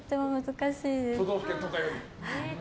都道府県とかより。